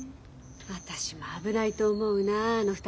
私も危ないと思うなあの２人。